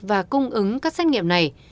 và cung ứng các xét nghiệm này